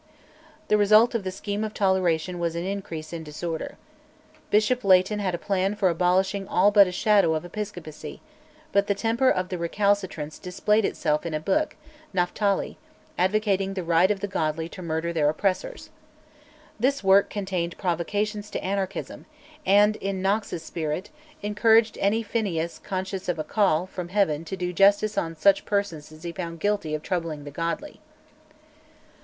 The result of the scheme of toleration was an increase in disorder. Bishop Leighton had a plan for abolishing all but a shadow of Episcopacy; but the temper of the recalcitrants displayed itself in a book, 'Naphtali,' advocating the right of the godly to murder their oppressors. This work contained provocations to anarchism, and, in Knox's spirit, encouraged any Phinehas conscious of a "call" from Heaven to do justice on such persons as he found guilty of troubling the godly.